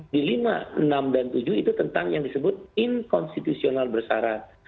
di lima enam dan tujuh itu tentang yang disebut inkonstitusional bersarat